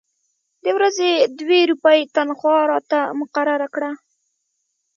د ورځې دوې روپۍ تنخوا راته مقرره کړه.